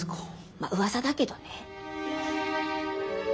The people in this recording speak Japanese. まっうわさだけどね。